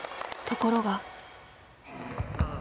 ところが。